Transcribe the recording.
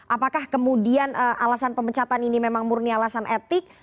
apakah kemudian alasan pemecatan ini memang murni alasan etik